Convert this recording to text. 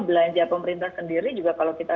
belanja pemerintah sendiri juga kalau kita